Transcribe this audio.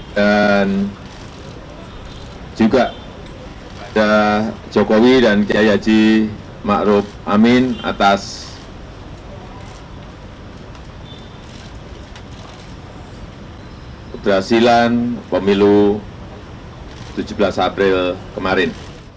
dan juga kepada jokowi dan kiai yaji ma'ruf amin atas keberhasilan pemilu tujuh belas april kemarin